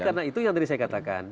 karena itu yang tadi saya katakan